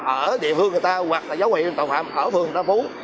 ở địa phương người ta hoặc là dấu hiệu tội phạm ở phường tân phú